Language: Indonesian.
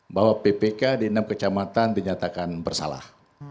bahwa ppk di enam kecamatan dinyatakan bersalah